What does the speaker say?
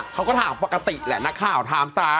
เขาก็ถามปกติแหละนักข่าวถามซะ